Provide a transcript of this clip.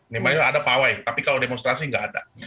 namanya ada pawai tapi kalau demonstrasi enggak ada